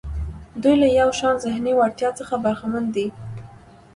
دوی له یو شان ذهني وړتیا څخه برخمن دي.